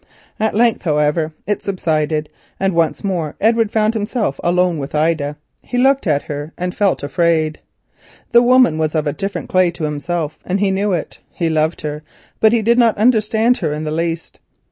At length, however, it subsided, and once more Edward found himself alone with Ida. He looked at her and felt afraid. The woman was of a different clay to himself, and he knew it—he loved her, but he did not understand her in the least.